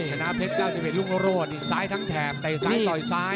ชนะเพชร๙๑ลุงโรดซ้ายทั้งแถมแต่ซ้ายต่อยซ้าย